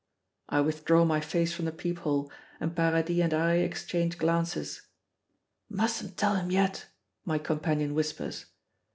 I withdraw my face from the peep hole and Paradis and I exchange glances. "Mustn't tell him yet," my companion whispers.